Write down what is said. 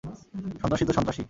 সন্ত্রাসী তো সন্ত্রাসীই।